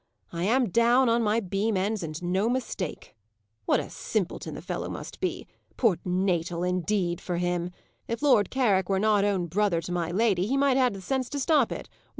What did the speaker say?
I am down on my beam ends, and no mistake. What a simpleton the fellow must be! Port Natal, indeed, for him! If Lord Carrick were not own brother to my lady, he might have the sense to stop it.